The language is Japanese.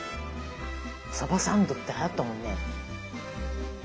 さばサンドってはやったもんね。